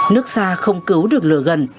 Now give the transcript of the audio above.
nước xa không cứu được lừa gần